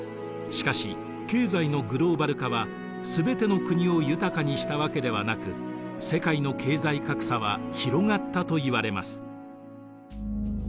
しかし経済のグローバル化は全ての国を豊かにしたわけではなく世界の経済格差は広がったといわれます。